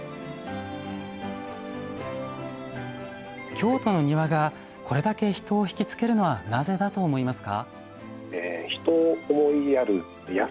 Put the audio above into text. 京都の庭がこれだけ人を惹きつけるのはなぜだと思いますか？